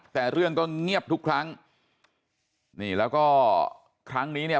แต่เรื่องก็เงียบทุกครั้งนี่แล้วก็ครั้งนี้เนี่ย